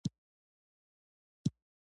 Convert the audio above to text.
تقریبا نیم ساعت مو خبرې سره وکړې.